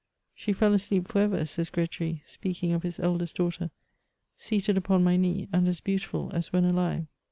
*^ She fell asleep for ever, says Gretry, speaking of his eldest daughter, *< seated upon my knee, and as beautiful as when alive.''